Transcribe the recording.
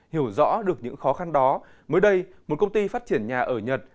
hiểu rõ được những khó khăn đó mới đây một công ty phát triển nhà ở nhật